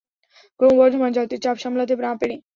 ক্রমবর্ধমান যাত্রী চাপ সামলাতে না পেরে।